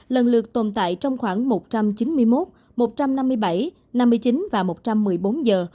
lần lượt tồn tại trong khoảng một trăm chín mươi một một trăm năm mươi bảy năm mươi chín và một trăm một mươi bốn giờ